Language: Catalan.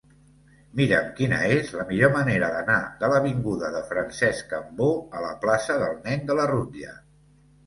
Mira'm quina és la millor manera d'anar de l'avinguda de Francesc Cambó a la plaça del Nen de la Rutlla.